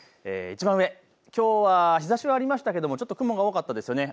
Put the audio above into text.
いちばん上、きょうは日ざしはありましたけどもちょっと雲が多かったです。